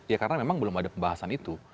ya karena memang belum ada pembahasan itu